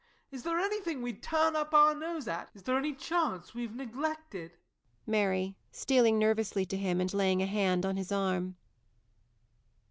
Is there anything we'd turn up our nose at? Is there any chance we've neglected? MARY. [_Stealing nervously to him and laying a hand on his arm.